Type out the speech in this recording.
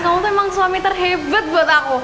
kamu tuh memang suami terhebat buat aku